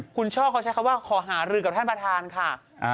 เพราะว่าคุณชอบเขาใช้คำว่าขอหารึกกับท่านประธานค่ะ